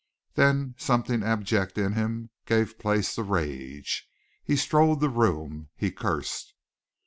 Then something abject in him gave place to rage. He strode the room; he cursed.